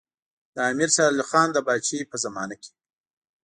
د امیر شېر علي خان د پاچاهۍ په زمانه کې.